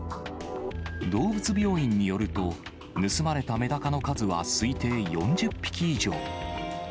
動物病院によると、盗まれたメダカの数は推定４０匹以上。